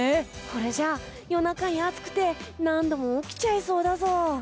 これじゃあ夜中に熱くて何度も起きちゃいそうだぞ。